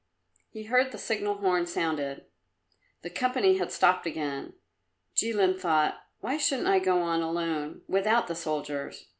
He heard the signal horn sounded; the company had stopped again. Jilin thought, "Why shouldn't I go on alone without the soldiers?